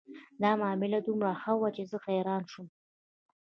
دا معامله دومره ښه وه چې زه حیرانه شوم